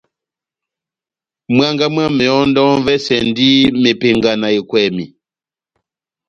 Mwángá mwá mehɔndɔ m'vɛsɛndi mepenga na ekwèmi.